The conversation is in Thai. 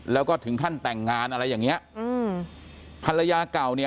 แล้วก็ถึงขั้นแต่งงานอะไรอย่างเงี้ยอืมภรรยาเก่าเนี่ย